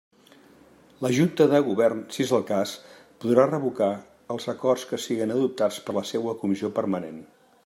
La junta de govern, si és el cas, podrà revocar els acords que siguen adoptats per la seua comissió permanent.